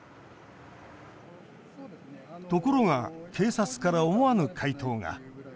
ところが、警察から思わぬ回答が。